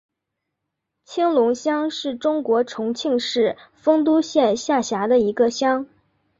青龙乡是中国重庆市丰都县下辖的一个乡。